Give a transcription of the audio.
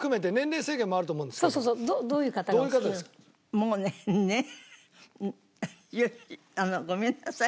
もうねあのごめんなさい。